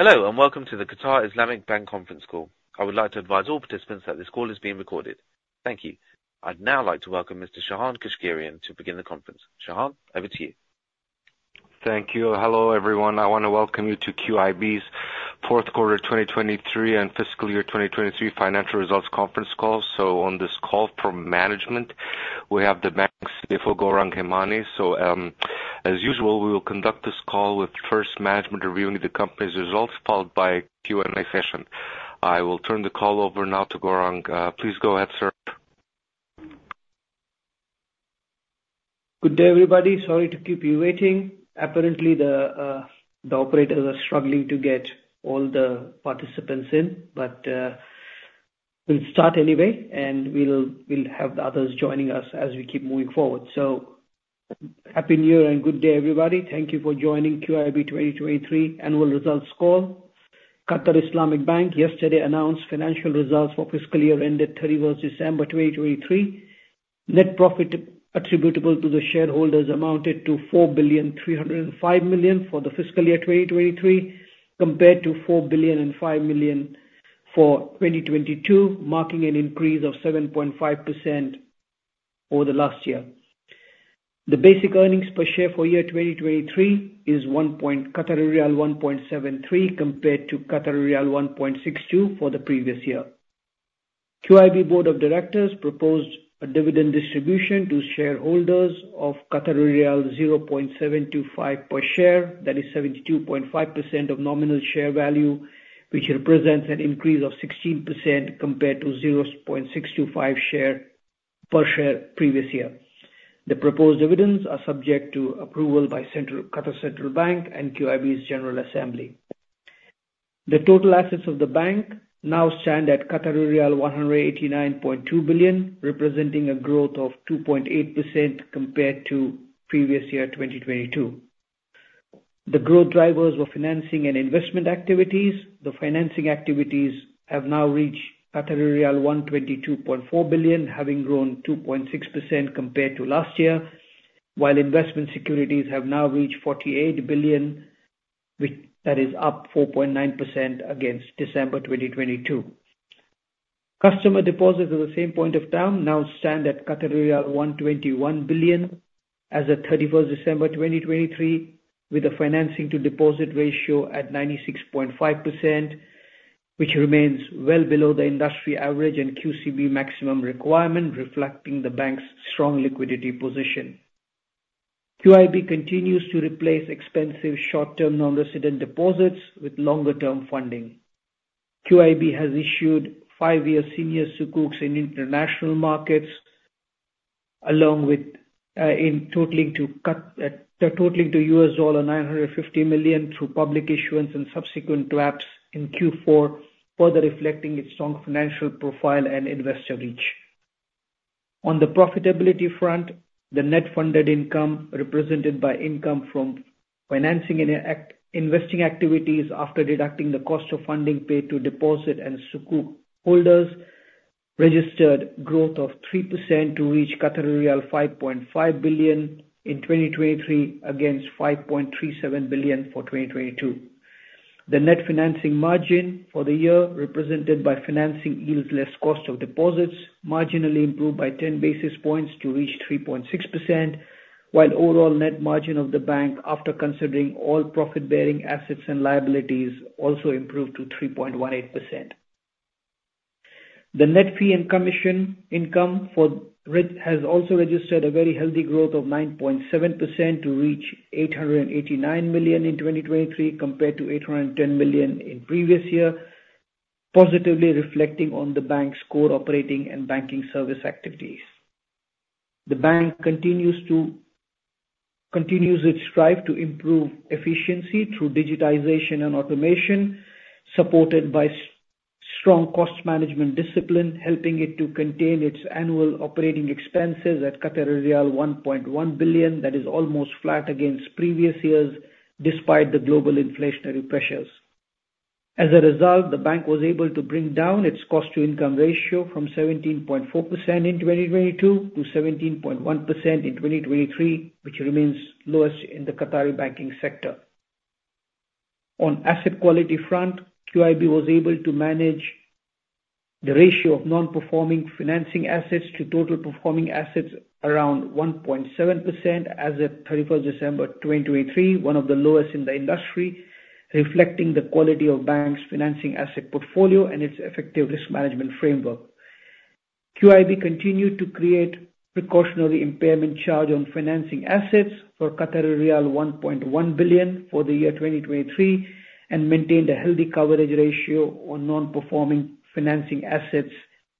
Hello, and welcome to the Qatar Islamic Bank Conference Call. I would like to advise all participants that this call is being recorded. Thank you. I'd now like to welcome Mr. Shahan Keushgerian to begin the conference. Shahan, over to you. Thank you. Hello, everyone. I want to welcome you to QIB's Fourth Quarter 2023 and Fiscal Year 2023 Financial Results Conference Call. On this call from management, we have the bank's CFO, Gourang Hemani. As usual, we will conduct this call with first management reviewing the company's results, followed by Q&A session. I will turn the call over now to Gourang. Please go ahead, sir. Good day, everybody. Sorry to keep you waiting. Apparently, the operators are struggling to get all the participants in but, we'll start anyway, and we'll have the others joining us as we keep moving forward. Happy New Year and good day, everybody. Thank you for joining QIB 2023 annual results call. Qatar Islamic Bank yesterday announced financial results for fiscal year ended 31 December 2023. Net profit attributable to the shareholders amounted to 4,305 million for the fiscal year 2023, compared to 4,005 million for 2022, marking an increase of 7.5% over the last year. The basic earnings per share for year 2023 is 1.73, compared to 1.62 for the previous year. QIB Board of Directors proposed a dividend distribution to shareholders of 0.725 per share. That is 72.5% of nominal share value, which represents an increase of 16% compared to 0.625 per share previous year. The proposed dividends are subject to approval by Qatar Central Bank and QIB's General Assembly. The total assets of the bank now stand at 189.2 billion, representing a growth of 2.8% compared to previous year, 2022. The growth drivers were financing and investment activities. The financing activities have now reached 122.4 billion, having grown 2.6% compared to last year, while investment securities have now reached 48 billion, which is up 4.9% against December 2022. Customer deposits at the same point of time now stand at riyal 121 billion as at 31 December 2023, with a financing to deposit ratio at 96.5%, which remains well below the industry average and QCB maximum requirement, reflecting the bank's strong liquidity position. QIB continues to replace expensive short-term non-resident deposits with longer-term funding. QIB has issued five-year senior Sukuks in international markets, along with totaling $950 million through public issuance and subsequent taps in Q4, further reflecting its strong financial profile and investor reach. On the profitability front, the net funded income, represented by income from financing and investing activities after deducting the cost of funding paid to deposit and Sukuk holders, registered growth of 3% to reach 5.5 billion in 2023, against 5.37 billion for 2022. The net financing margin for the year, represented by financing yields less cost of deposits, marginally improved by 10 basis points to reach 3.6%, while overall net margin of the bank, after considering all profit-bearing assets and liabilities, also improved to 3.18%. The net fee and commission income for 2023 has also registered a very healthy growth of 9.7% to reach 889 million in 2023, compared to 810 million in previous year, positively reflecting on the bank's core operating and banking service activities. The bank continues its strive to improve efficiency through digitization and automation, supported by strong cost management discipline, helping it to contain its annual operating expenses at riyal 1.1 billion. That is almost flat against previous years, despite the global inflationary pressures. As a result, the bank was able to bring down its cost to income ratio from 17.4% in 2022 to 17.1% in 2023, which remains lowest in the Qatari banking sector. On asset quality front, QIB was able to manage the ratio of non-performing financing assets to total performing assets around 1.7% as at 31 December 2023, one of the lowest in the industry, reflecting the quality of bank's financing asset portfolio and its effective risk management framework. QIB continued to create precautionary impairment charge on financing assets for 1.1 billion for the year 2023, and maintained a healthy coverage ratio on non-performing financing assets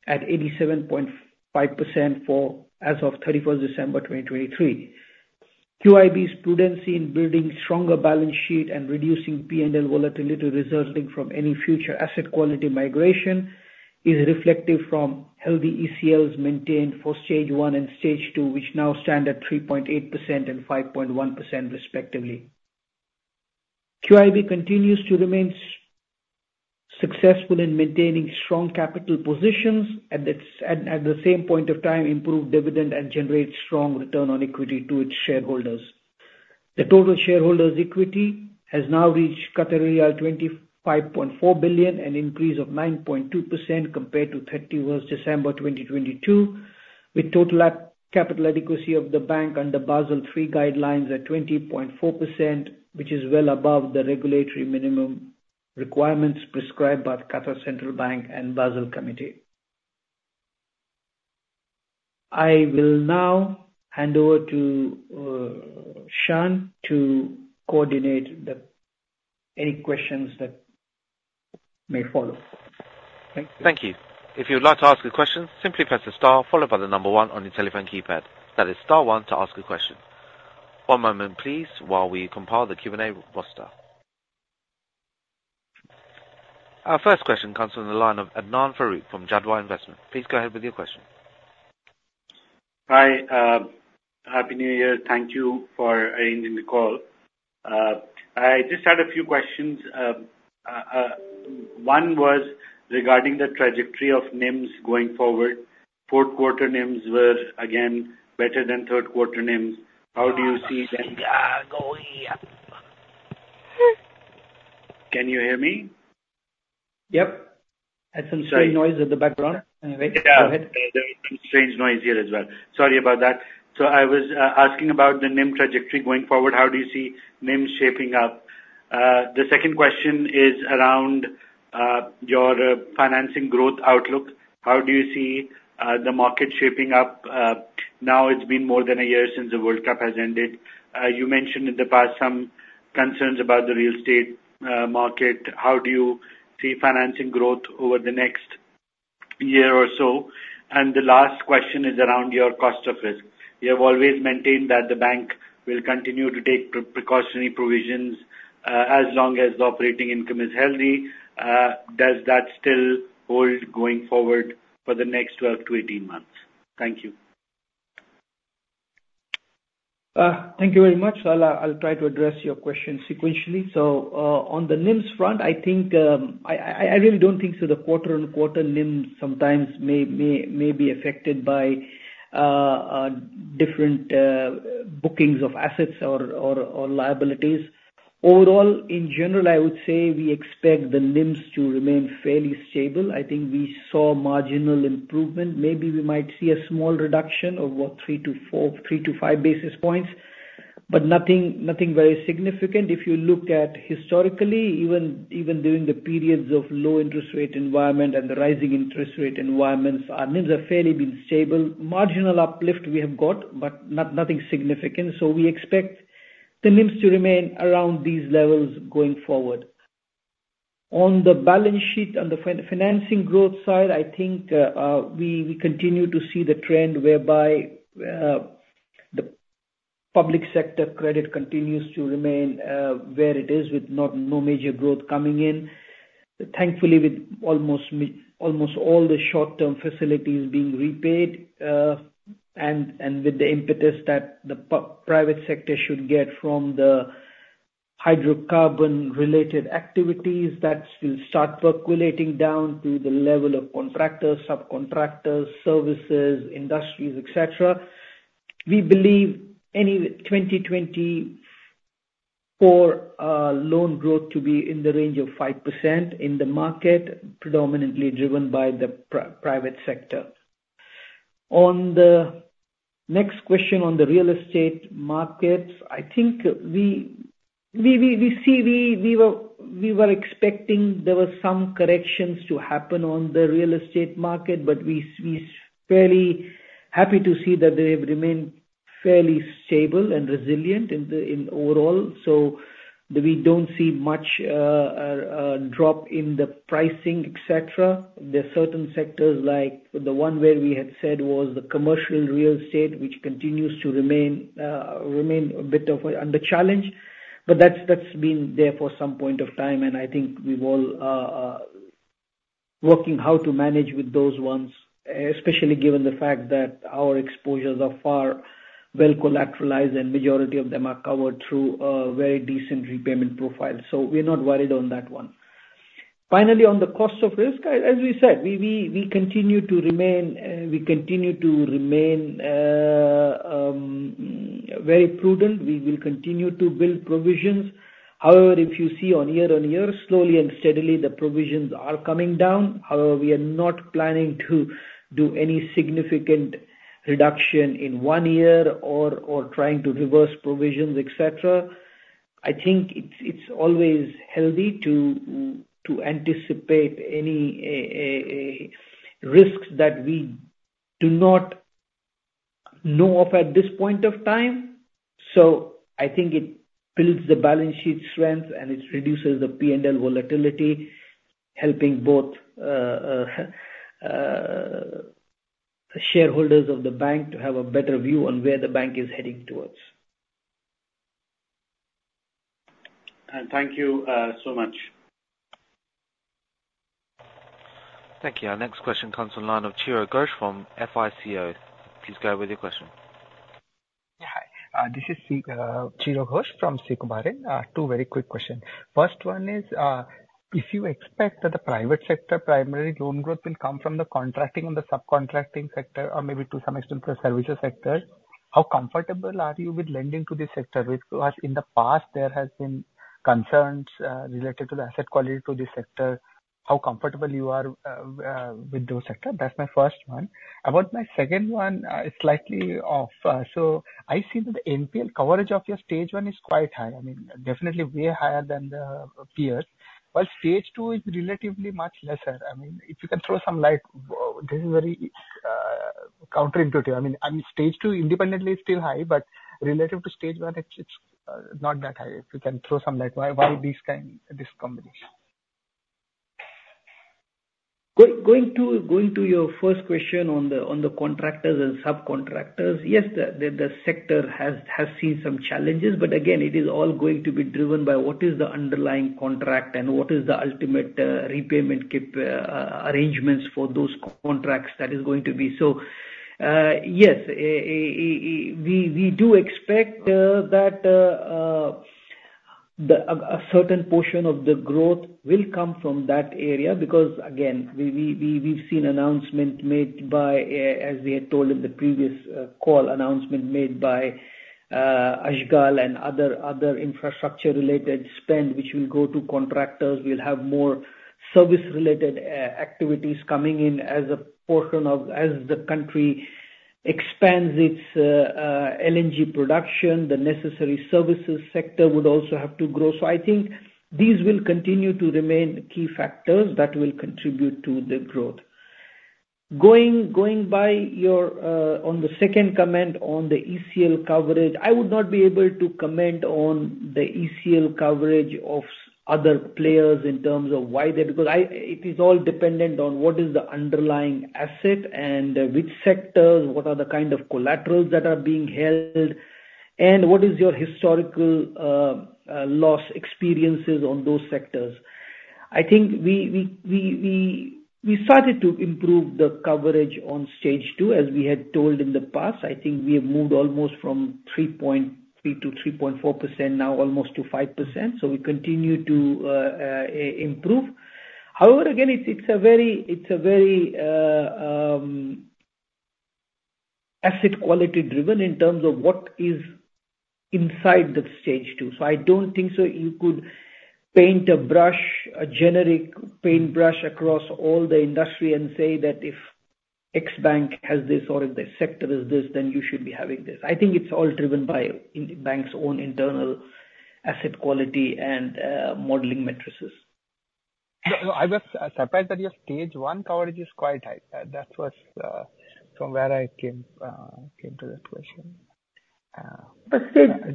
at 87.5% as of 31 December 2023. QIB's prudence in building stronger balance sheet and reducing PNL volatility resulting from any future asset quality migration, is reflective from healthy ECLs maintained for Stage One and Stage Two, which now stand at 3.8% and 5.1% respectively. QIB continues to remain safe Successful in maintaining strong capital positions at the same point of time, improve dividend and generate strong return on equity to its shareholders. The total shareholders' equity has now reached 25.4 billion, an increase of 9.2% compared to 31 December 2022, with total capital adequacy of the bank under Basel III guidelines at 20.4%, which is well above the regulatory minimum requirements prescribed by Qatar Central Bank and Basel Committee. I will now hand over to Shahan to coordinate any questions that may follow. Thank you. Thank you. If you would like to ask a question, simply press the star followed by the number one on your telephone keypad. That is star one to ask a question. One moment, please, while we compile the Q&A roster. Our first question comes from the line of Adnan Farooq from Jadwa Investment. Please go ahead with your question. Hi, happy New Year. Thank you for arranging the call. I just had a few questions. One was regarding the trajectory of NIMs going forward. Fourth quarter NIMs were, again, better than third quarter NIMs. How do you see that Yeah, going up. Can you hear me? Yep. Sorry. I had some strange noise in the background. Anyway, go ahead. Yeah, there is some strange noise here as well. Sorry about that. So I was asking about the NIM trajectory going forward. How do you see NIMs shaping up? The second question is around your financing growth outlook. How do you see the market shaping up? Now it's been more than a year since the World Cup has ended. You mentioned in the past some concerns about the real estate market. How do you see financing growth over the next year or so? And the last question is around your cost of risk. You have always maintained that the bank will continue to take precautionary provisions as long as the operating income is healthy. Does that still hold going forward for the next 12-18 months? Thank you. Thank you very much. I'll try to address your question sequentially. So, on the NIMs front, I think, I really don't think so the quarter-on-quarter NIMs sometimes may be affected by different bookings of assets or liabilities. Overall, in general, I would say we expect the NIMs to remain fairly stable. I think we saw marginal improvement. Maybe we might see a small reduction of what? 3 to 4. 3 to 5 basis points, but nothing very significant. If you look at historically, even during the periods of low interest rate environment and the rising interest rate environments, our NIMs have fairly been stable. Marginal uplift we have got, but nothing significant. So we expect the NIMs to remain around these levels going forward. On the balance sheet, on the financing growth side, I think, we continue to see the trend whereby, the public sector credit continues to remain, where it is with no major growth coming in. Thankfully, with almost all the short-term facilities being repaid, and with the impetus that the private sector should get from the hydrocarbon-related activities, that will start percolating down to the level of contractors, subcontractors, services, industries, et cetera. We believe in 2020 core loan growth to be in the range of 5% in the market, predominantly driven by the private sector. On the next question on the real estate markets, I think we were expecting there were some corrections to happen on the real estate market, but we're fairly happy to see that they have remained fairly stable and resilient in overall. So we don't see much a drop in the pricing, et cetera. There are certain sectors like the one where we had said was the commercial real estate, which continues to remain a bit under challenge. But that's been there for some point of time, and I think we've all been working how to manage with those ones, especially given the fact that our exposures are far well collateralized, and majority of them are covered through a very decent repayment profile. So we're not worried on that one. Finally, on the cost of risk, as we said, we continue to remain very prudent. We will continue to build provisions. However, if you see on year-on-year, slowly and steadily, the provisions are coming down. However, we are not planning to do any significant reduction in one year or trying to reverse provisions, et cetera. I think it's always healthy to anticipate any risks that we do not know of at this point of time. So I think it builds the balance sheet strength, and it reduces the P&L volatility, helping both shareholders of the bank to have a better view on where the bank is heading towards. And thank you, so much. Thank you. Our next question comes from the line of Chiro Ghosh from SICO. Please go with your question. This is Chiro Ghosh from SICO. Two very quick questions. First one is, if you expect that the private sector primary loan growth will come from the contracting and the subcontracting sector, or maybe to some extent, the services sector, how comfortable are you with lending to this sector, which was in the past, there has been concerns related to the asset quality to this sector? How comfortable you are with those sector? That's my first one. About my second one, it's slightly off. So I see that the NPL coverage of your Stage One is quite high. I mean, definitely way higher than the peers. But Stage Two is relatively much lesser. I mean, if you can throw some light, this is very counterintuitive. I mean, Stage Two independently is still high, but relative to Stage One, it's not that high. If you can throw some light, why this kind, this combination? Going to your first question on the contractors and subcontractors. Yes, the sector has seen some challenges, but again, it is all going to be driven by what is the underlying contract and what is the ultimate repayment cap arrangements for those contracts that is going to be. So, yes, we do expect that a certain portion of the growth will come from that area. Because again, we've seen announcement made by, as we had told in the previous call, announcement made by Ashghal and other infrastructure-related spend, which will go to contractors. We'll have more service-related activities coming in as a portion of as the country expands its LNG production, the necessary services sector would also have to grow. So I think these will continue to remain key factors that will contribute to the growth. Going by your on the second comment on the ECL coverage, I would not be able to comment on the ECL coverage of other players in terms of why they. Because it is all dependent on what is the underlying asset and which sectors, what are the kind of collaterals that are being held, and what is your historical loss experiences on those sectors. I think we started to improve the coverage on Stage Two, as we had told in the past. I think we have moved almost from 3.3%-3.4% now almost to 5%, so we continue to improve. However, again, it's a very asset quality driven in terms of what is inside that Stage Two. So I don't think so you could paint a brush, a generic paintbrush across all the industry and say that if X bank has this or if the sector is this, then you should be having this. I think it's all driven by the bank's own internal asset quality and modeling matrices. No, no, I was surprised that your Stage One coverage is quite high. That was from where I came to that question.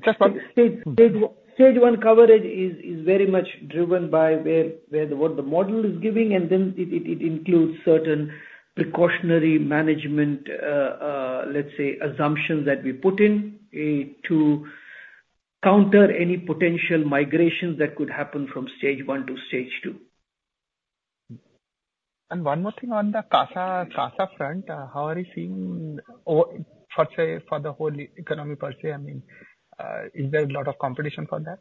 Just one- Stage One coverage is very much driven by what the model is giving, and then it includes certain precautionary management, let's say, assumptions that we put in to counter any potential migrations that could happen from Stage One to Stage Two. One more thing on the CASA front, how are you seeing for, say, for the whole economy per se? I mean, is there a lot of competition for that?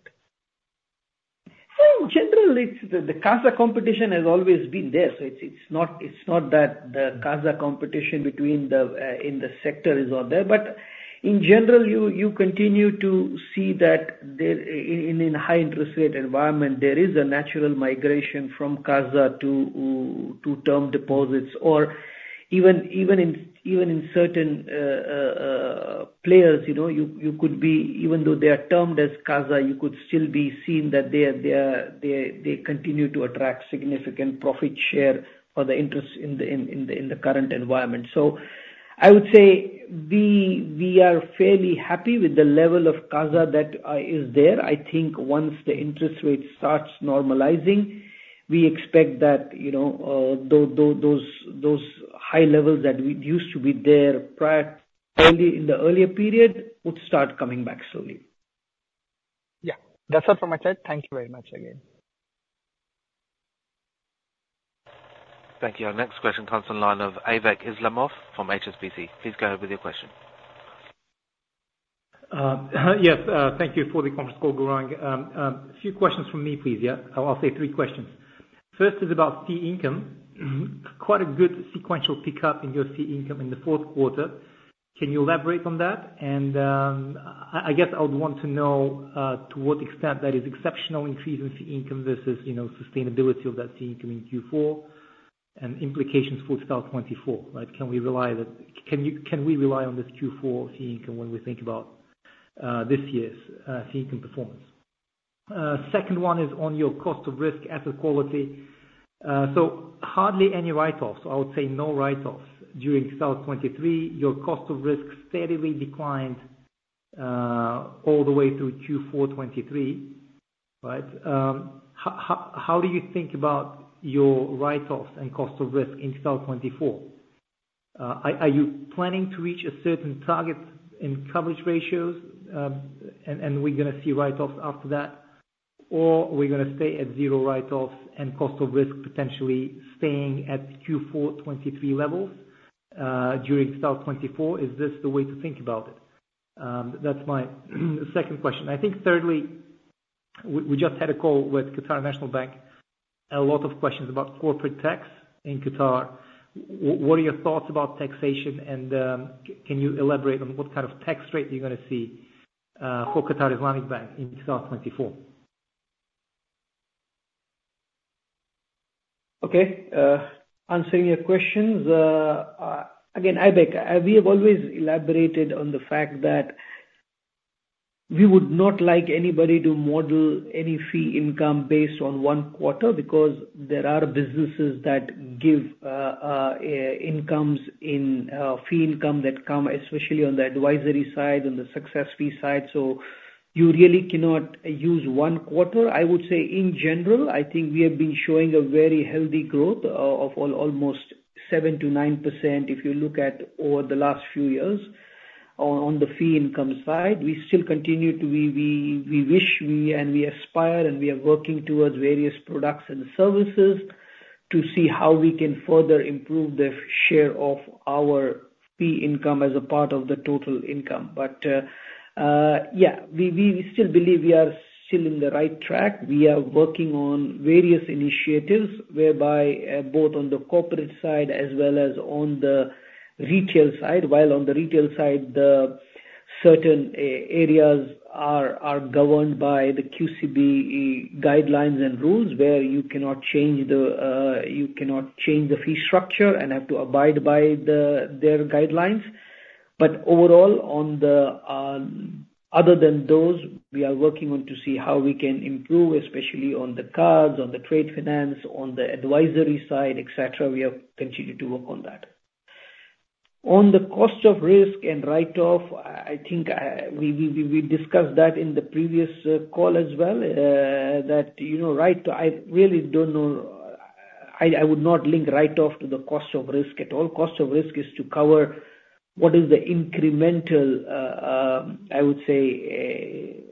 Well, generally, it's the CASA competition has always been there, so it's not that the CASA competition between the in the sector is not there. But in general, you continue to see that there in high interest rate environment, there is a natural migration from CASA to term deposits or even in certain players, you know, you could be, even though they are termed as CASA, you could still be seen that they are they continue to attract significant profit share or the interest in the current environment. So I would say we are fairly happy with the level of CASA that is there. I think once the interest rate starts normalizing, we expect that, you know, those high levels that we used to be there prior, early in the earlier period, would start coming back slowly. Yeah. That's all from my side. Thank you very much again. Thank you. Our next question comes from the line of Aybek Islamov from HSBC. Please go ahead with your question. Yes, thank you for the conference call, Gourang. A few questions from me, please. Yeah, I'll ask three questions. First is about fee income. Quite a good sequential pickup in your fee income in the fourth quarter. Can you elaborate on that? And, I guess I would want to know, to what extent that is exceptional increase in fee income versus, you know, sustainability of that fee income in Q4, and implications for FY 2024, right? Can we rely on this Q4 fee income when we think about, this year's, fee income performance? Second one is on your cost of risk asset quality. So hardly any write-offs. I would say no write-offs during FY 2023. Your cost of risk steadily declined, all the way through Q4 2023, right? How do you think about your write-offs and cost of risk in FY 2024? Are you planning to reach a certain target in coverage ratios, and we're gonna see write-offs after that? Or we're gonna stay at zero write-offs and cost of risk potentially staying at Q4 2023 levels during 2024? Is this the way to think about it? That's my second question. I think thirdly, we just had a call with Qatar National Bank, a lot of questions about corporate tax in Qatar. What are your thoughts about taxation, and can you elaborate on what kind of tax rate you're gonna see for Qatar Islamic Bank in 2024? Okay. Answering your questions, again, Aybek we have always elaborated on the fact that we would not like anybody to model any fee income based on one quarter, because there are businesses that give incomes in fee income that come especially on the advisory side, on the success fee side, so you really cannot use one quarter. I would say, in general, I think we have been showing a very healthy growth of almost 7%-9% if you look at over the last few years on the fee income side. We still continue to. We wish, and we aspire, and we are working towards various products and services to see how we can further improve the share of our fee income as a part of the total income. But, yeah, we still believe we are still in the right track. We are working on various initiatives, whereby both on the corporate side as well as on the retail side. While on the retail side, the certain areas are governed by the QCB guidelines and rules, where you cannot change the fee structure and have to abide by their guidelines. But overall, other than those, we are working on to see how we can improve, especially on the cards, on the trade finance, on the advisory side, et cetera, we have continued to work on that. On the cost of risk and write-off, I think we discussed that in the previous call as well, that, you know, right to. I really don't know, I would not link write-off to the cost of risk at all. Cost of risk is to cover what is the incremental, I would say,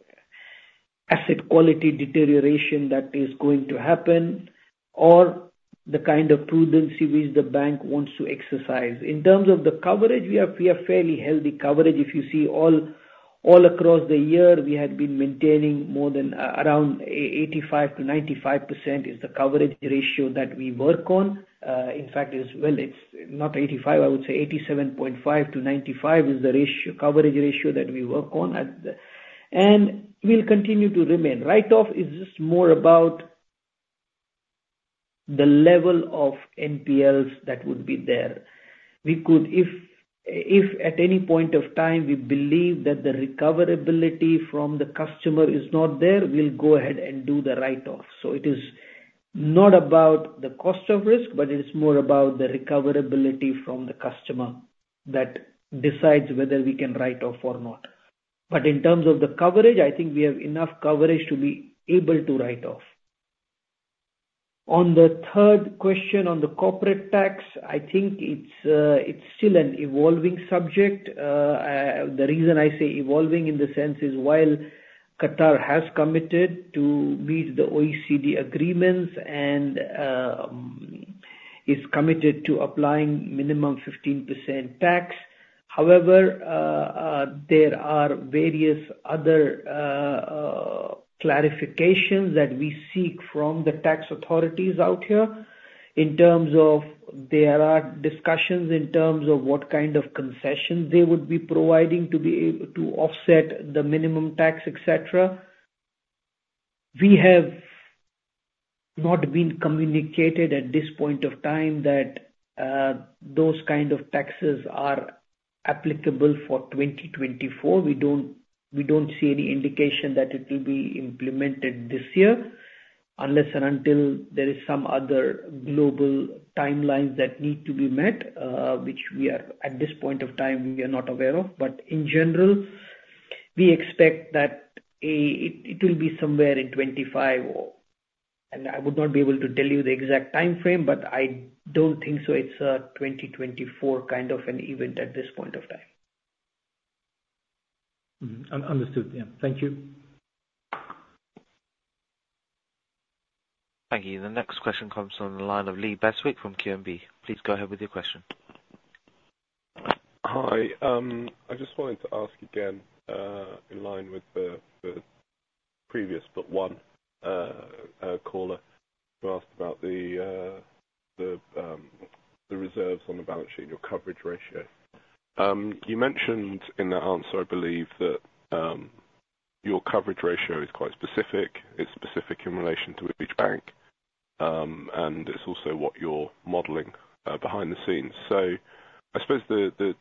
asset quality deterioration that is going to happen, or the kind of prudence in which the bank wants to exercise. In terms of the coverage, we have a fairly healthy coverage. If you see all across the year, we had been maintaining more than around 85%-95% is the coverage ratio that we work on. In fact, well, it's not 85, I would say 87.5-95 is the coverage ratio that we work on at the We'll continue to remain. Write-off is just more about the level of NPLs that would be there. We could if, if at any point of time we believe that the recoverability from the customer is not there, we'll go ahead and do the write-off. So it is not about the cost of risk, but it's more about the recoverability from the customer that decides whether we can write off or not. But in terms of the coverage, I think we have enough coverage to be able to write off. On the third question, on the corporate tax, I think it's, it's still an evolving subject. The reason I say evolving, in the sense is, while Qatar has committed to meet the OECD agreements and, is committed to applying minimum 15% tax. However, there are various other, clarifications that we seek from the tax authorities out here in terms of There are discussions in terms of what kind of concessions they would be providing to be able to offset the minimum tax, etc. We have not been communicated at this point of time that those kind of taxes are applicable for 2024. We don't, we don't see any indication that it will be implemented this year, unless and until there is some other global timelines that need to be met, which we are, at this point of time, we are not aware of. But in general, we expect that it will be somewhere in 2025 or. And I would not be able to tell you the exact timeframe, but I don't think so it's a 2024 kind of an event at this point of time. Understood. Yeah. Thank you. Thank you. The next question comes from the line of Lee Beswick from QNB. Please go ahead with your question. Hi. I just wanted to ask again, in line with the previous, but one, caller who asked about the reserves on the balance sheet, your coverage ratio. You mentioned in that answer, I believe, that your coverage ratio is quite specific. It's specific in relation to each bank, and it's also what you're modeling behind the scenes. So I suppose the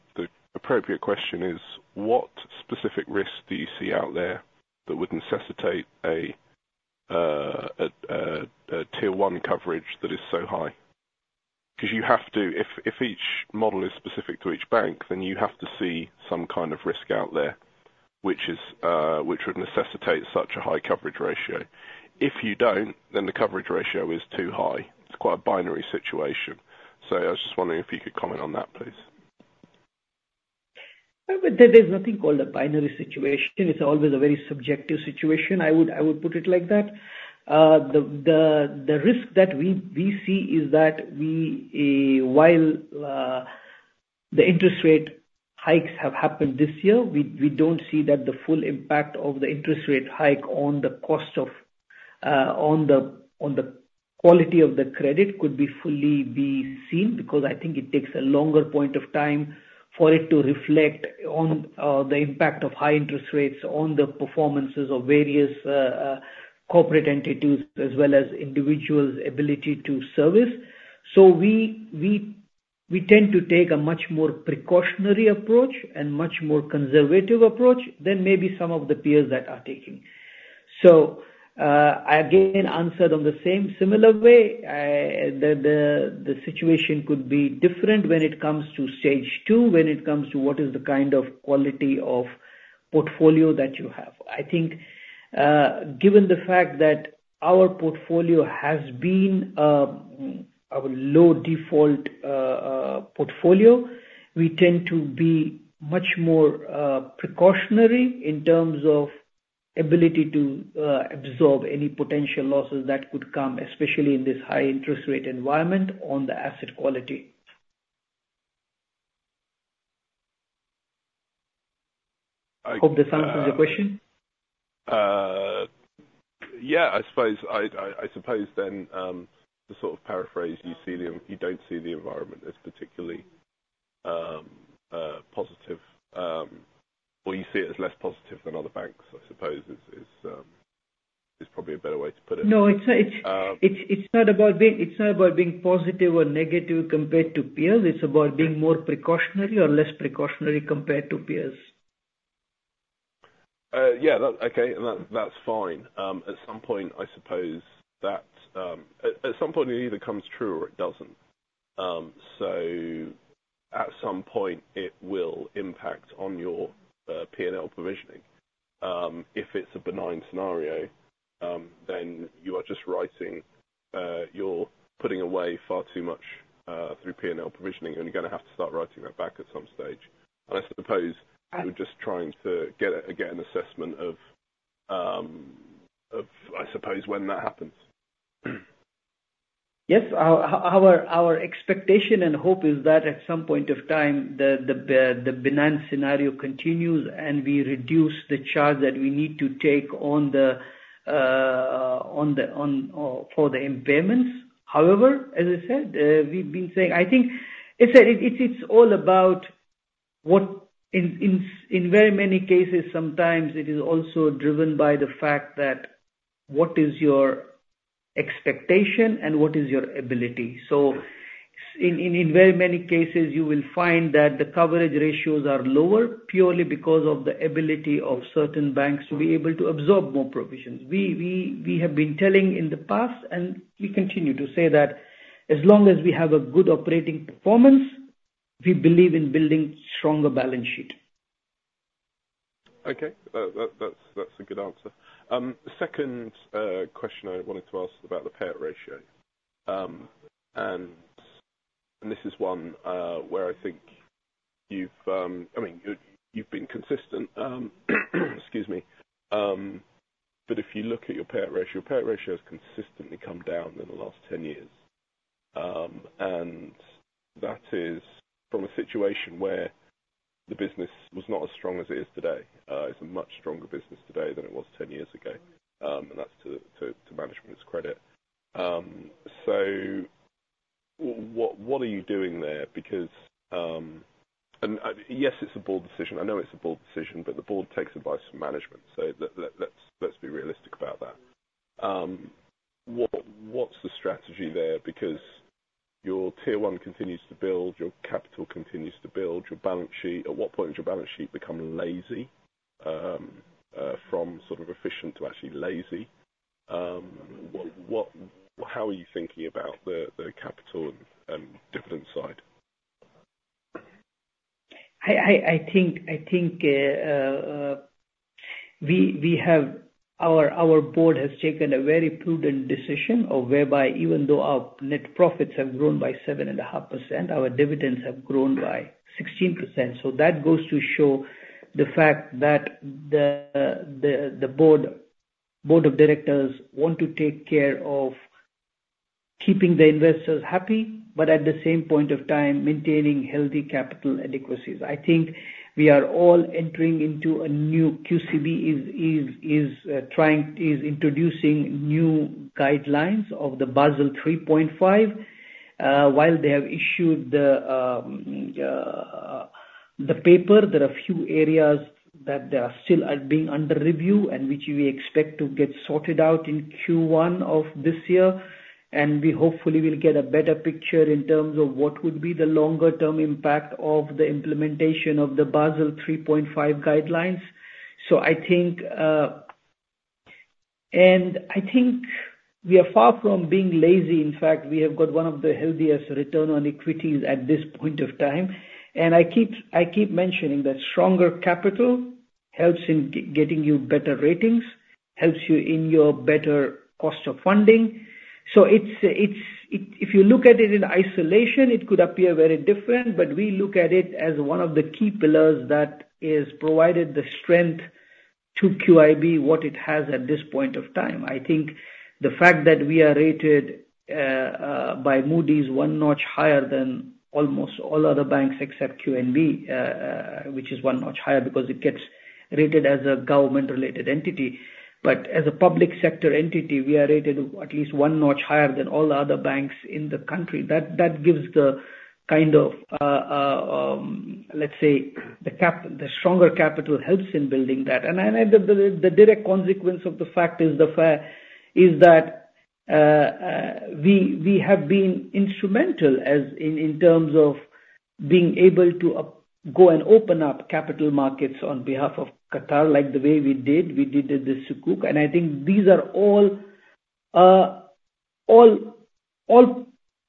appropriate question is: What specific risk do you see out there that would necessitate a Tier 1 coverage that is so high? 'Cause you have to. If each model is specific to each bank, then you have to see some kind of risk out there, which would necessitate such a high coverage ratio. If you don't, then the coverage ratio is too high. It's quite a binary situation. So I was just wondering if you could comment on that, please. There, there's nothing called a binary situation. It's always a very subjective situation, I would put it like that. The risk that we see is that while the interest rate hikes have happened this year, we don't see that the full impact of the interest rate hike on the cost of, on the quality of the credit could be fully seen. Because I think it takes a longer point of time for it to reflect on the impact of high interest rates on the performances of various corporate entities, as well as individuals' ability to service. So we tend to take a much more precautionary approach and much more conservative approach than maybe some of the peers that are taking. So, I again answered on the same similar way. The situation could be different when it comes to Stage Two, when it comes to what is the kind of quality of portfolio that you have. I think, given the fact that our portfolio has been a low default portfolio, we tend to be much more precautionary in terms of ability to absorb any potential losses that could come, especially in this high interest rate environment on the asset quality. Hope this answers your question. Yeah, I suppose then, to sort of paraphrase, you see the. You don't see the environment as particularly positive, or you see it as less positive than other banks, I suppose, is probably a better way to put it. No, It's not about being positive or negative compared to peers. It's about being more precautionary or less precautionary compared to peers. Yeah, that... Okay, and that, that's fine. At some point, I suppose that, at some point, it either comes true or it doesn't. So at some point, it will impact on your, P&L provisioning. If it's a benign scenario, then you are just writing, you're putting away far too much, through P&L provisioning, and you're gonna have to start writing that back at some stage. And I suppose I'm just trying to get an assessment of, I suppose, when that happens. Yes. Our expectation and hope is that at some point of time, the benign scenario continues, and we reduce the charge that we need to take on the for the impairments. However, as I said, we've been saying... I think, as I said, it's all about what in very many cases, sometimes it is also driven by the fact that, what is your expectation and what is your ability? So in very many cases, you will find that the coverage ratios are lower, purely because of the ability of certain banks to be able to absorb more provisions. We have been telling in the past, and we continue to say that as long as we have a good operating performance, we believe in building stronger balance sheet. Okay. That's a good answer. The second question I wanted to ask about the payout ratio. And this is one where I think you've, I mean, you've been consistent. Excuse me. But if you look at your payout ratio, your payout ratio has consistently come down in the last 10 years. And that is from a situation where the business was not as strong as it is today. It's a much stronger business today than it was 10 years ago, and that's to management's credit. So what are you doing there? Because, and yes, it's a board decision. I know it's a board decision, but the board takes advice from management, so let's be realistic about that. What is the strategy there? Because your Tier 1 continues to build, your capital continues to build, your balance sheet. At what point does your balance sheet become lazy, from sort of efficient to actually lazy? What, how are you thinking about the capital and dividend side? I think we have. Our board has taken a very prudent decision whereby even though our net profits have grown by 7.5%, our dividends have grown by 16%. So that goes to show the fact that the board of directors want to take care of keeping the investors happy, but at the same point of time, maintaining healthy capital adequacy. I think we are all entering into a new, QCB is introducing new guidelines of the Basel 3.5. While they have issued the paper, there are a few areas that are still being under review, and which we expect to get sorted out in Q1 of this year. We hopefully will get a better picture in terms of what would be the longer term impact of the implementation of the Basel 3.5 guidelines. So I think... And I think we are far from being lazy. In fact, we have got one of the healthiest return on equities at this point of time. And I keep, I keep mentioning that stronger capital helps in getting you better ratings, helps you in your better cost of funding. So it's, if you look at it in isolation, it could appear very different, but we look at it as one of the key pillars that has provided the strength to QIB what it has at this point of time. I think the fact that we are rated by Moody's one notch higher than almost all other banks except QNB, which is one notch higher because it gets rated as a government-related entity. But as a public sector entity, we are rated at least one notch higher than all the other banks in the country. That gives the kind of, let's say, the stronger capital helps in building that. And the direct consequence of the fact is that we have been instrumental as in terms of being able to go and open up capital markets on behalf of Qatar, like the way we did the Sukuk. I think these are all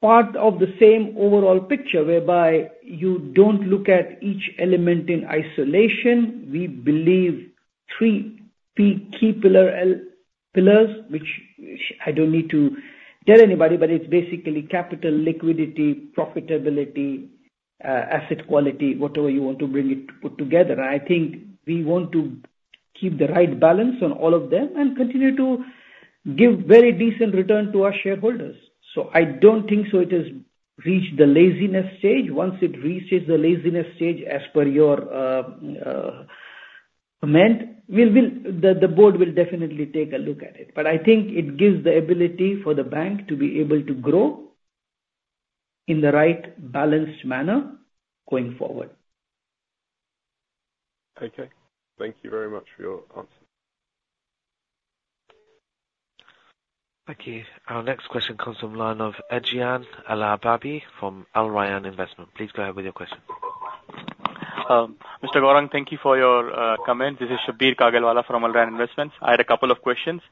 part of the same overall picture, whereby you don't look at each element in isolation. We believe three key pillars, which I don't need to tell anybody, but it's basically capital, liquidity, profitability, asset quality, whatever you want to put it together. I think we want to keep the right balance on all of them and continue to give very decent return to our shareholders. I don't think it has reached the laziness stage. Once it reaches the laziness stage, as per your comment, we will. The board will definitely take a look at it. But I think it gives the ability for the bank to be able to grow in the right balanced manner going forward. Okay. Thank you very much for your answer. Thank you. Our next question comes from line of Ejayan Al-ahbabi from Al Rayan Investment. Please go ahead with your question. Mr. Gourang, thank you for your comment. This is Shabbir Kagalwala from Al Rayan Investment. I had a couple of questions.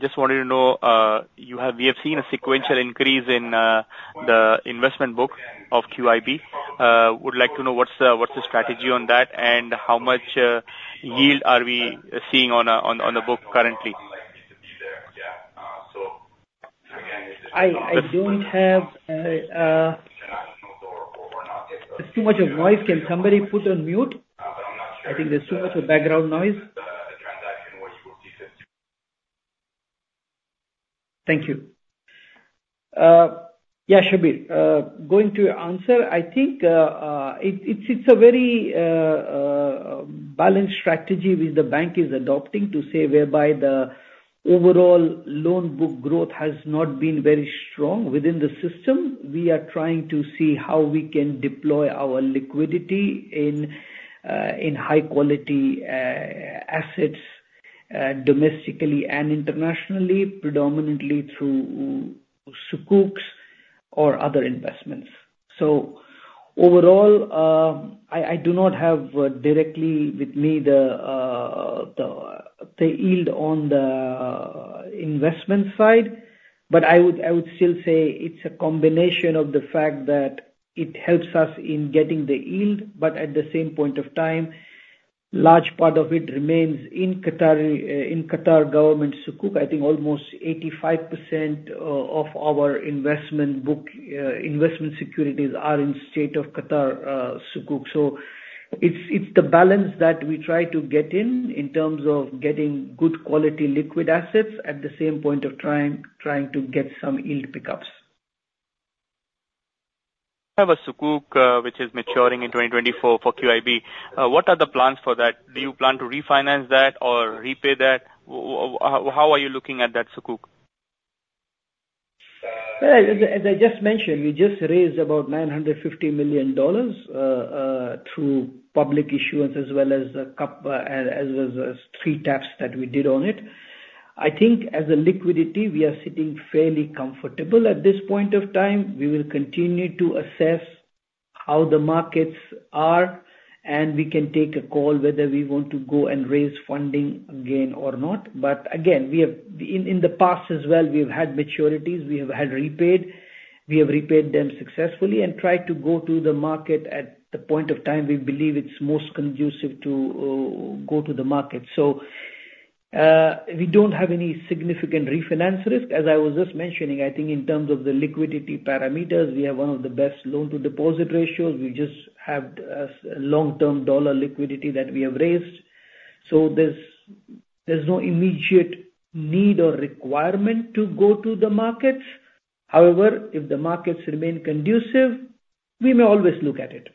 Just wanted to know, we have seen a sequential increase in the investment book of QIB. Would like to know what's the strategy on that, and how much yield are we seeing on the book currently? I don't have There's too much of noise. Can somebody put on mute? I think there's too much of background noise. Thank you. Yeah, Shabbir, going to your answer, I think, it's a very balanced strategy which the bank is adopting to say whereby the overall loan book growth has not been very strong within the system. We are trying to see how we can deploy our liquidity in high quality assets domestically and internationally, predominantly through Sukuks or other investments. So overall, I do not have directly with me the yield on the investment side, but I would still say it's a combination of the fact that it helps us in getting the yield, but at the same point of time, large part of it remains in Qatar in Qatar government Sukuk. I think almost 85% of our investment book, investment securities are in State of Qatar, Sukuk. So it's the balance that we try to get in terms of getting good quality liquid assets, at the same point of trying to get some yield pickups. I have a Sukuk, which is maturing in 2024 for QIB. What are the plans for that? Do you plan to refinance that or repay that? How are you looking at that Sukuk? Well, as I just mentioned, we just raised about $950 million through public issuance as well as a sukuk as well as 3 taps that we did on it. I think as a liquidity, we are sitting fairly comfortable. At this point of time, we will continue to assess how the markets are, and we can take a call whether we want to go and raise funding again or not. But again, we have. In the past as well, we've had maturities, we have had repaid. We have repaid them successfully and tried to go to the market at the point of time we believe it's most conducive to go to the market. So, we don't have any significant refinance risk. As I was just mentioning, I think in terms of the liquidity parameters, we are one of the best loan-to-deposit ratios. We just have long-term dollar liquidity that we have raised, so there's, there's no immediate need or requirement to go to the markets. However, if the markets remain conducive, we may always look at it.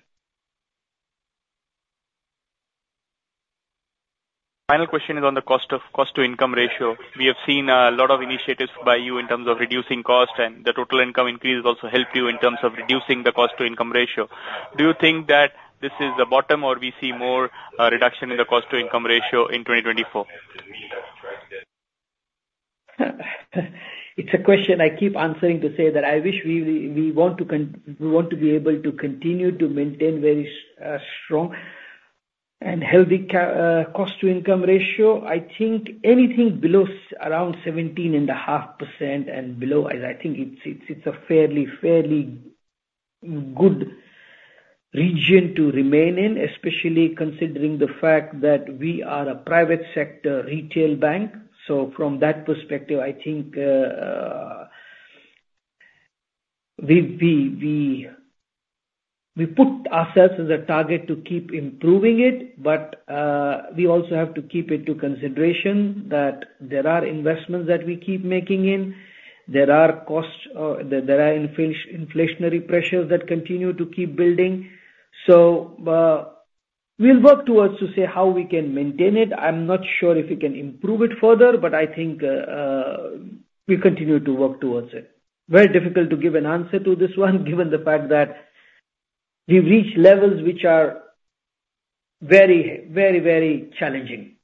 Final question is on the Cost-to-Income Ratio. We have seen a lot of initiatives by you in terms of reducing cost, and the total income increase has also helped you in terms of reducing the Cost-to-Income Ratio. Do you think that this is the bottom or we see more reduction in the Cost-to-Income Ratio in 2024? It's a question I keep answering to say that I wish we want to continue to maintain very strong and healthy cost-to-income ratio. I think anything below around 17.5% and below, I think it's a fairly good region to remain in, especially considering the fact that we are a private sector retail bank. So from that perspective, I think we put ourselves as a target to keep improving it, but we also have to keep into consideration that there are investments that we keep making in. There are costs, there are inflationary pressures that continue to keep building. So, we'll work towards to see how we can maintain it. I'm not sure if we can improve it further, but I think, we'll continue to work towards it. Very difficult to give an answer to this one, given the fact that we've reached levels which are very, very, very challenging.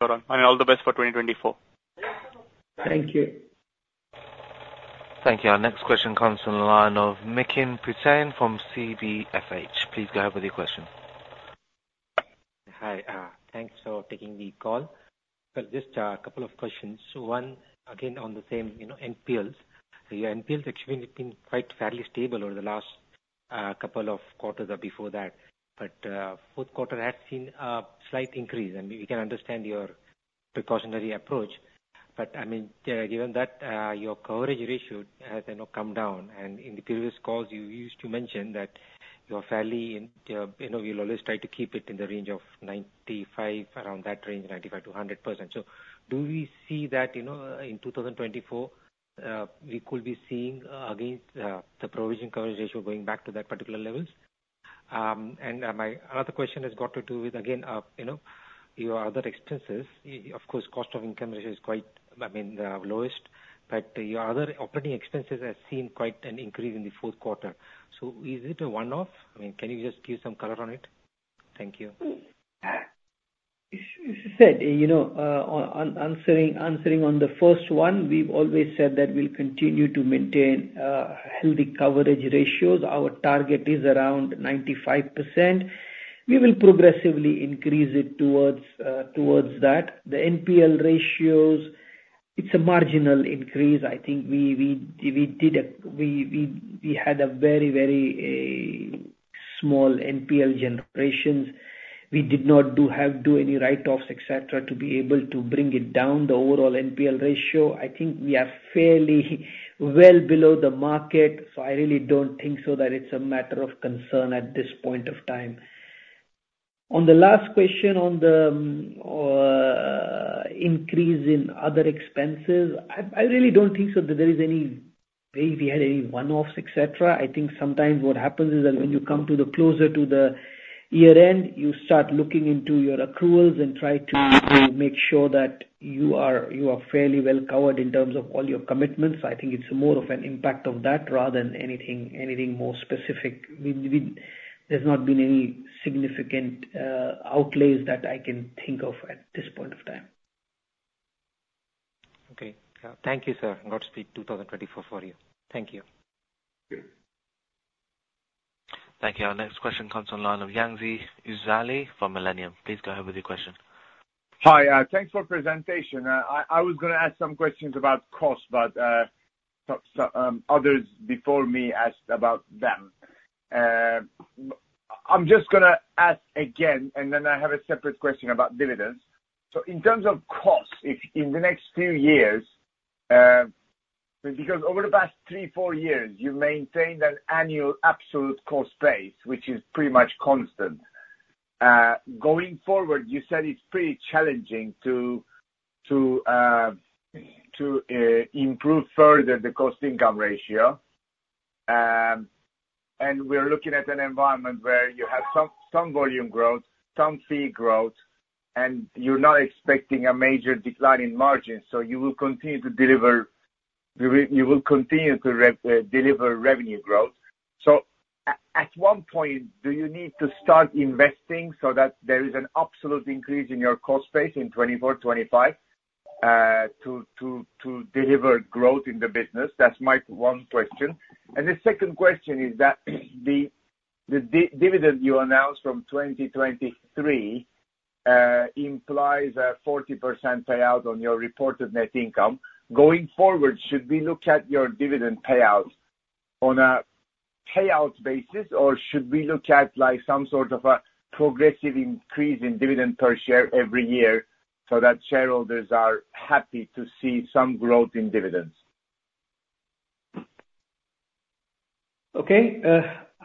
Got it. All the best for 2024. Thank you. Thank you. Our next question comes from the line of Mikin Pretan from CBFH. Please go ahead with your question. Hi, thanks for taking the call. Well, just a couple of questions. One, again, on the same, you know, NPLs. Your NPLs actually have been quite fairly stable over the last couple of quarters or before that. But, fourth quarter has seen a slight increase, and we can understand your precautionary approach. But, I mean, given that, your coverage ratio has, you know, come down, and in the previous calls, you used to mention that you're fairly in, you know, you'll always try to keep it in the range of 95, around that range, 95%-100%. So do we see that, you know, in 2024, we could be seeing again the provision coverage ratio going back to that particular levels? My other question has got to do with, again, you know, your other expenses. Of course, cost-to-income ratio is quite, I mean, the lowest, but your other operating expenses have seen quite an increase in the fourth quarter. So is it a one-off? I mean, can you just give some color on it? Thank you. As you said, you know, on answering on the first one, we've always said that we'll continue to maintain healthy coverage ratios. Our target is around 95%. We will progressively increase it towards that. The NPL ratios, it's a marginal increase. I think we had a very small NPL generations. We did not do any write-offs, et cetera, to be able to bring it down the overall NPL ratio. I think we are fairly well below the market, so I really don't think so that it's a matter of concern at this point of time. On the last question, on the increase in other expenses, I really don't think so, that there is any way we had any one-offs, et cetera. I think sometimes what happens is that when you come closer to the year end, you start looking into your accruals and try to make sure that you are fairly well covered in terms of all your commitments. So I think it's more of an impact of that rather than anything more specific. We. There's not been any significant outlays that I can think of at this point of time. Okay. Thank you, sir. Godspeed 2024 for you. Thank you. Thank you. Our next question comes on the line of Yanzi Uzali from Millennium. Please go ahead with your question. Hi, thanks for presentation. I was gonna ask some questions about cost, but some others before me asked about them. I'm just gonna ask again, and then I have a separate question about dividends. So in terms of cost, if in the next few years, because over the past 3-4 years, you've maintained an annual absolute cost base, which is pretty much constant. Going forward, you said it's pretty challenging to improve further the cost-income ratio. And we're looking at an environment where you have some volume growth, some fee growth, and you're not expecting a major decline in margins, so you will continue to deliver revenue growth. So at what point do you need to start investing so that there is an absolute increase in your cost base in 2024, 2025, to deliver growth in the business? That's my one question. And the second question is that the dividend you announced from 2023 implies a 40% payout on your reported net income. Going forward, should we look at your dividend payout on a payout basis, or should we look at, like, some sort of a progressive increase in dividend per share every year, so that shareholders are happy to see some growth in dividends? Okay.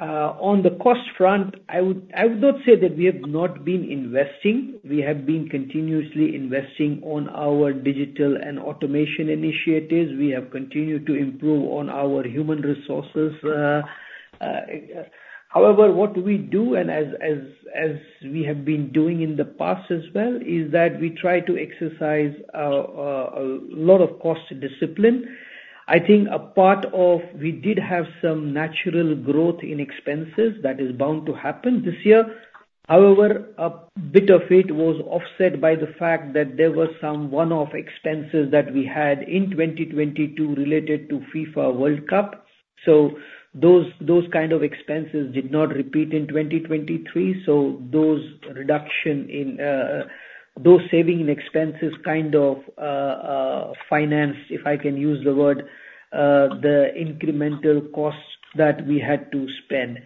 On the cost front, I would not say that we have not been investing. We have been continuously investing on our digital and automation initiatives. We have continued to improve on our human resources. However, what we do, and as we have been doing in the past as well, is that we try to exercise a lot of cost discipline. I think a part of. We did have some natural growth in expenses, that is bound to happen this year. However, a bit of it was offset by the fact that there were some one-off expenses that we had in 2022 related to FIFA World Cup. So Those, those kind of expenses did not repeat in 2023, so those reduction in, those saving in expenses kind of, financed, if I can use the word, the incremental costs that we had to spend.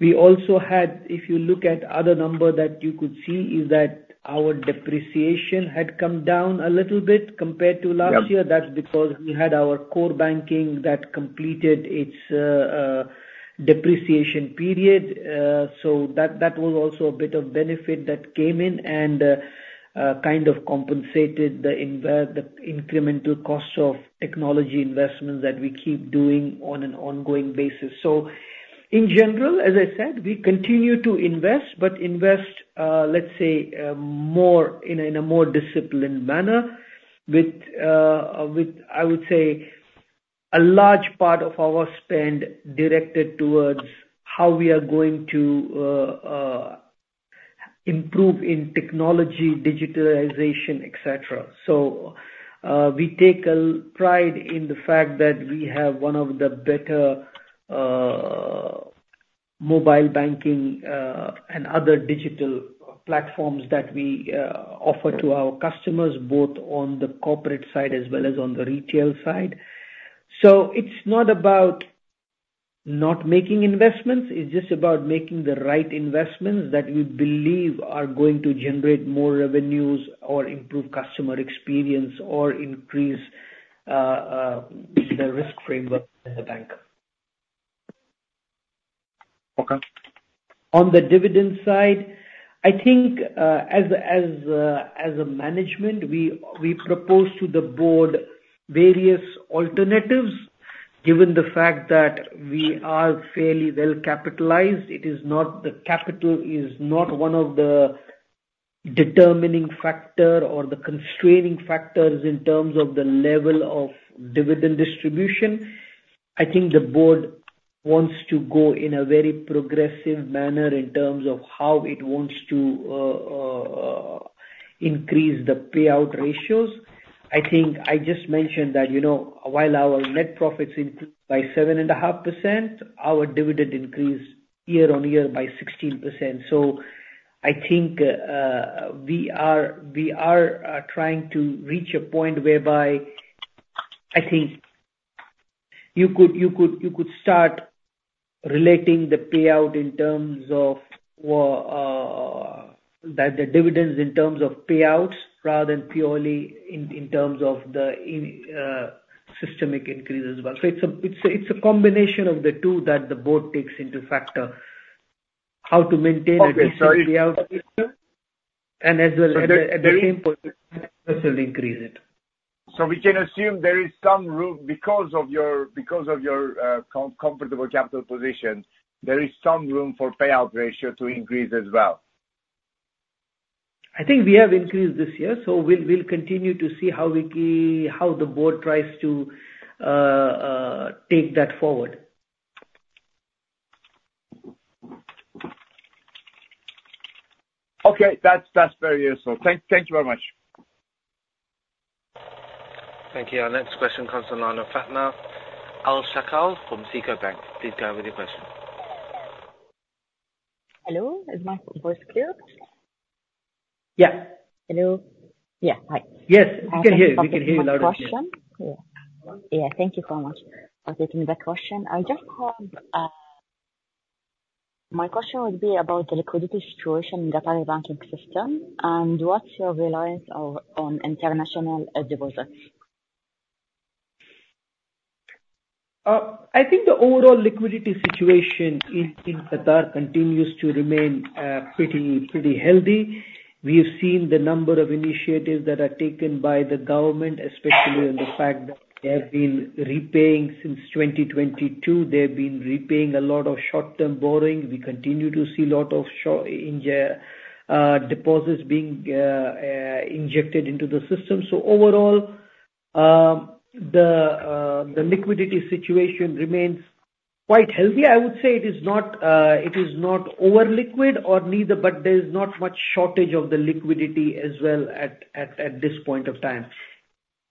We also had, if you look at other number that you could see, is that our depreciation had come down a little bit compared to last year. Yep. That's because we had our core banking that completed its depreciation period. So that was also a bit of benefit that came in and kind of compensated the incremental costs of technology investments that we keep doing on an ongoing basis. So in general, as I said, we continue to invest, but invest, let's say, more in a more disciplined manner. With, I would say, a large part of our spend directed towards how we are going to improve in technology, digitalization, et cetera. So, we take a pride in the fact that we have one of the better mobile banking and other digital platforms that we offer to our customers, both on the corporate side as well as on the retail side. It's not about not making investments, it's just about making the right investments that we believe are going to generate more revenues or improve customer experience, or increase the risk framework in the bank. Okay. On the dividend side, I think, as a management, we propose to the board various alternatives, given the fact that we are fairly well capitalized. It is not. The capital is not one of the determining factor or the constraining factors in terms of the level of dividend distribution. I think the board wants to go in a very progressive manner in terms of how it wants to increase the payout ratios. I think I just mentioned that, you know, while our net profits increased by 7.5%, our dividend increased year-on-year by 16%. I think we are trying to reach a point whereby I think you could start relating the payout in terms of the dividends in terms of payouts, rather than purely in terms of the systemic increase as well. So it's a combination of the two that the board takes into factor, how to maintain a decent payout Okay, so And as well, at the same point, also increase it. So we can assume there is some room because of your comfortable capital position, there is some room for payout ratio to increase as well? I think we have increased this year, so we'll continue to see how the board tries to take that forward. Okay. That's very useful. Thank you very much. Thank you. Our next question comes on the line of Fatema Al-Shakar from SICO Bank. Please go ahead with your question. Hello, is my voice clear? Yeah. Hello? Yeah, hi. Yes, we can hear you. We can hear you louder. My question... Yeah. Yeah, thank you so much for taking the question. I just have... My question would be about the liquidity situation in the Qatari banking system, and what's your reliance on, on international, deposits? I think the overall liquidity situation in Qatar continues to remain pretty healthy. We have seen the number of initiatives that are taken by the government, especially on the fact that they have been repaying since 2022. They've been repaying a lot of short-term borrowing. We continue to see lot of short deposits being injected into the system. So overall, the liquidity situation remains quite healthy. I would say it is not over-liquid or neither, but there is not much shortage of the liquidity as well at this point of time.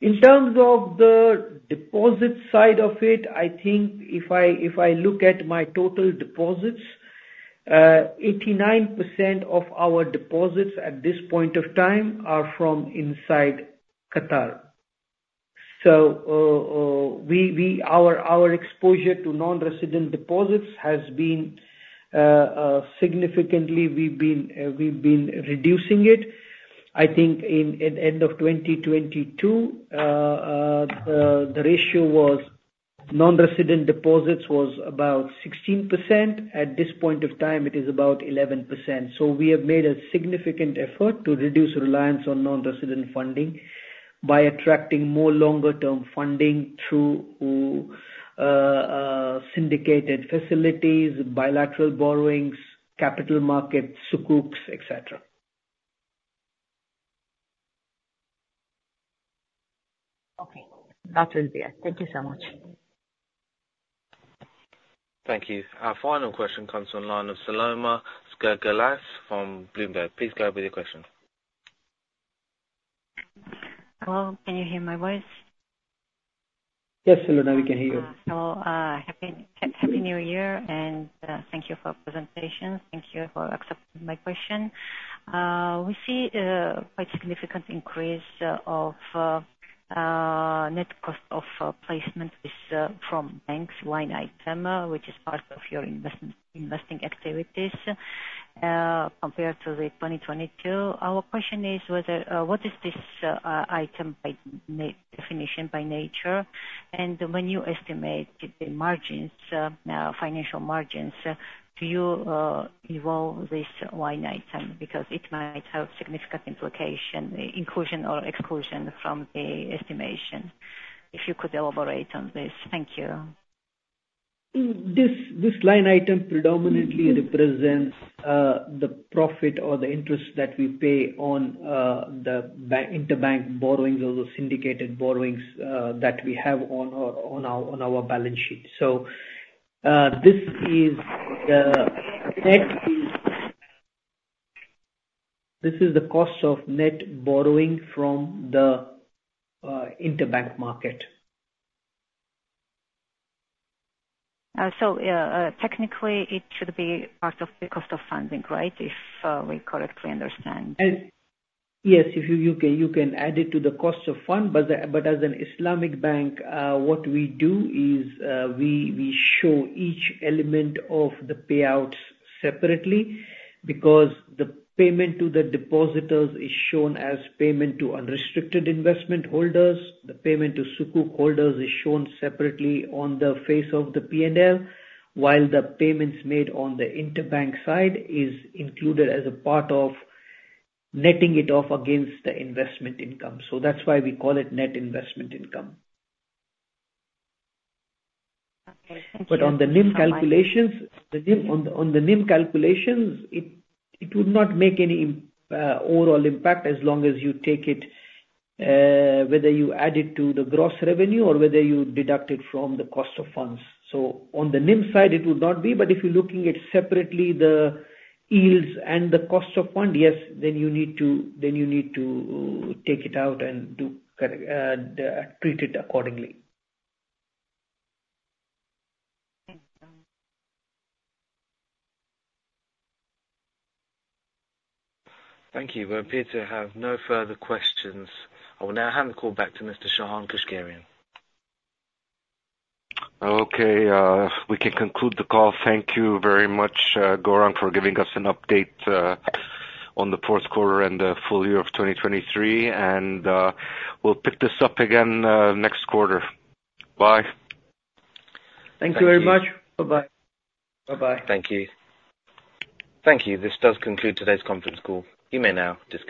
In terms of the deposit side of it, I think if I look at my total deposits, 89% of our deposits at this point of time are from inside Qatar. So, our exposure to non-resident deposits has been significantly. We've been reducing it. I think in end of 2022, the non-resident deposits ratio was about 16%. At this point of time, it is about 11%. So we have made a significant effort to reduce reliance on non-resident funding by attracting more longer-term funding through syndicated facilities, bilateral borrowings, capital markets, Sukuks, et cetera. Okay. That is the end. Thank you so much. Thank you. Our final question comes on the line of Salome Skhirtladze from Bloomberg. Please go ahead with your question. Hello, can you hear my voice? Yes, Selena, we can hear you. Hello, happy, happy New Year, and thank you for presentation. Thank you for accepting my question. We see a quite significant increase of net cost of placement with from banks line item, which is part of your investment investing activities, compared to 2022. Our question is whether what is this item by nature, by definition? And when you estimate the margins, now financial margins, do you evolve this line item? Because it might have significant implication, inclusion or exclusion from the estimation. If you could elaborate on this. Thank you. This line item predominantly represents the profit or the interest that we pay on the interbank borrowings or the syndicated borrowings that we have on our balance sheet. So, this is the net. This is the cost of net borrowing from the interbank market. So, yeah, technically it should be part of the cost of funding, right? If we correctly understand. And yes, if you can add it to the cost of fund. But as an Islamic bank, what we do is we show each element of the payouts separately, because the payment to the depositors is shown as payment to unrestricted investment holders. The payment to Sukuk holders is shown separately on the face of the PNL, while the payments made on the interbank side is included as a part of netting it off against the investment income. So that's why we call it net investment income. Okay, thank you. But on the NIM calculations, the NIM on the NIM calculations, it would not make any overall impact as long as you take it, whether you add it to the gross revenue or whether you deduct it from the cost of funds. So on the NIM side, it would not be, but if you're looking at separately, the yields and the cost of fund, yes, then you need to take it out and do correct, treat it accordingly. Thank you. Thank you. We appear to have no further questions. I will now hand the call back to Mr. Shahan Keushgerian. Okay, we can conclude the call. Thank you very much, Gourang, for giving us an update on the fourth quarter and the full year of 2023. We'll pick this up again next quarter. Bye. Thank you very much. Bye-bye. Bye-bye. Thank you. Thank you. This does conclude today's conference call. You may now disconnect.